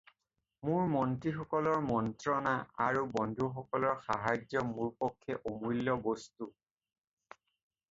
মোৰ মন্ত্ৰীসকলৰ মন্ত্ৰণা আৰু বন্ধুসকলৰ সাহায্য মোৰ পক্ষে অমূল্য বস্তু।